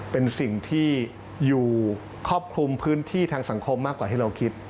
เป็นสิ่งที่อยู่ครอบคลุมพื้นที่ทางสังคมมากกว่าที่เราคิด